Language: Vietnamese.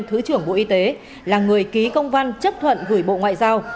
thứ trưởng bộ y tế là người ký công văn chấp thuận gửi bộ ngoại giao